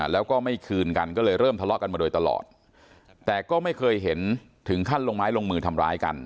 แล้วก็ไม่คืนกันก็เลยเริ่มทะเลาะกันมาโดยตลอดแต่ก็ไม่เคยเห็นถึงขั้นลงไม้ลงมือทำร้ายกัน